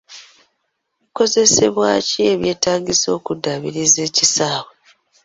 Bikozesebwa ki ebyetaagisa okuddaabiriza ekisaawe?